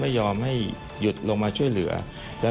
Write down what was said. มีความรู้สึกว่ามีความรู้สึกว่า